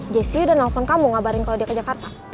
jessi udah nelfon kamu ngabarin kalau dia ke jakarta